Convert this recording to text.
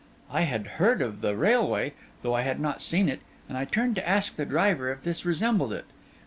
I had heard of the railway, though I had not seen it, and I turned to ask the driver if this resembled it.